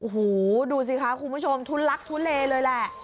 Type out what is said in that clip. หูววดูสิคะคุณผู้ชมทุนลักษณ์ทุนเลเลยแหละ